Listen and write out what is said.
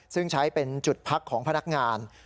ซึ่งใช้เป็นจุดพักของพนักงาน